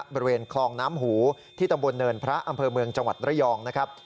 บริเวณคลองน้ำหูที่ตำบลเนินพระอำเภอเมืองจังหวัดระยองนะครับ